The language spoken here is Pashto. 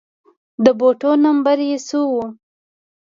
د بوټو نمبر يې څو و